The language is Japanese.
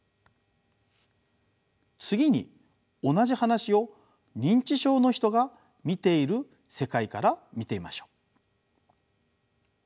次に同じ話を認知症の人が見ている世界から見てみましょう。